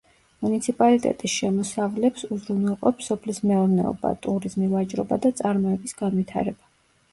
მუნიციპალიტეტის შემოსავლებს უზრუნველყოფს სოფლის მეურნეობა, ტურიზმი, ვაჭრობა და წარმოების განვითარება.